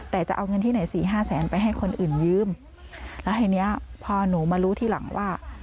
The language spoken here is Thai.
แต่จะเอาเงินที่ไหนสี่ห้าแสนไปให้คนอื่นยืมแล้วทีเนี้ยพอหนูมารู้ทีหลังว่า